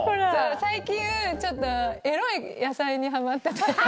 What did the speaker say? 最近ちょっとエロい野菜にハマってて。